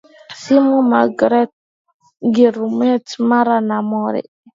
Simiyu Mbarageti Gurumeti Mara na Mori